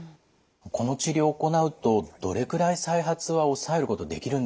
この治療を行うとどれくらい再発は抑えることできるんでしょうか？